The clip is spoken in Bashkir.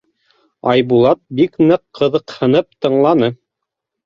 Айбулат бик ныҡ ҡыҙыҡһынып тыңланы: